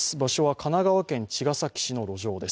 神奈川県茅ヶ崎市の路上です。